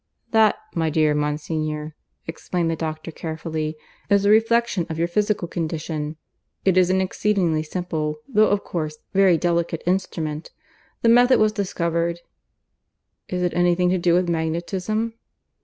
"That, my dear Monsignor," explained the doctor carefully, "is a reflection of your physical condition. It is an exceedingly simple, though of course very delicate instrument. The method was discovered " "Is it anything to do with magnetism?"